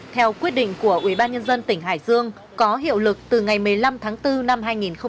theo quyết định của ubnd tỉnh hải dương có hiệu lực từ ngày một mươi năm tháng bốn năm hai nghìn hai mươi